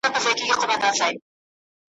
لکه روڼي د چینې اوبه ځلیږي ,